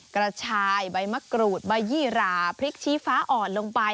กระชายใบมะกรูดใบยี่หราพริกชี้ฟ้าอ่อนลงไป